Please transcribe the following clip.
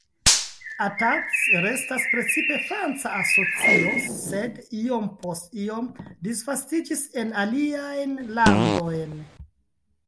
Attac restas precipe franca asocio sed iom post iom disvastiĝis en aliajn landojn.